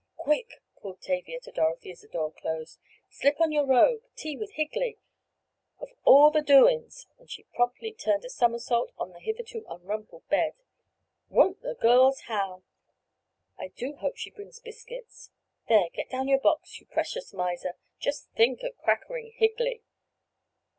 "Quick!" called Tavia to Dorothy as the door closed. "Slip on your robe. Tea with Higley! Of all the doin's!" and she promptly turned a somersault on the hitherto unrumpled bed. "Won't the girls howl! I do hope she brings biscuits. There, get down your box, you precious miser! Just think of 'crackering' Higley!"